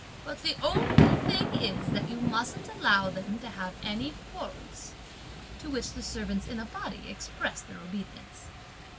But the only thing is that you mustn't allow them to have any quarrels." To which the servants in a body expressed their obedience.